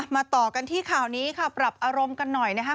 ต่อกันที่ข่าวนี้ค่ะปรับอารมณ์กันหน่อยนะคะ